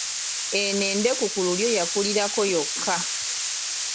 Eno endeku ku lulyo yakulirako yokka.